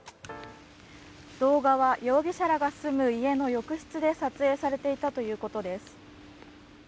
動画は容疑者らが住む家の浴室で撮影されていたということです。